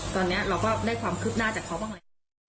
ตอนนี้เราก็ได้ความคืบหน้าจากเขาบ้างแล้ว